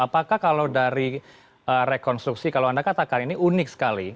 apakah kalau dari rekonstruksi kalau anda katakan ini unik sekali